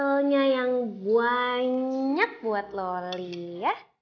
hasilnya yang banyak buat loli ya